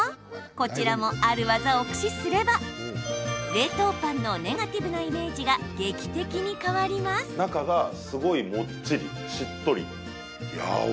こちらもある技を駆使すれば冷凍パンのネガティブなイメージが劇的に変わります。